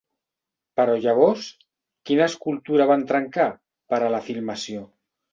Però llavors, quina escultura van trencar, per a la filmació?